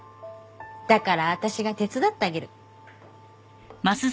だから私が手伝ってあげる。